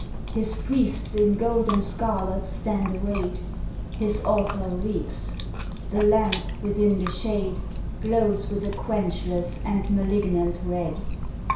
His priests in gold and scarlet stand arrayed; His altar reeks; the lamp within the shade Glows with a quenchless and malignant red.